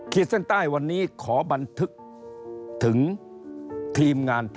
คิดเส้นใต้วันนี้ขอบันทึกถึงทีมงานพวกเรา